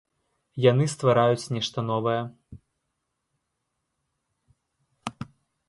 Яны ствараюць нешта новае.